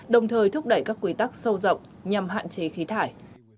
đồng thời thúc đẩy các quy tắc sâu rộng nhằm hạn chế khí thải